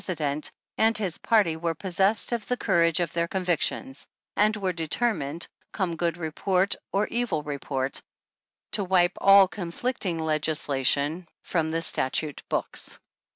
sident and his party were possessed of the courage of their convictions, and were determined, come good report or evil report, to wipe all conflicting legislation from 22 the statute books.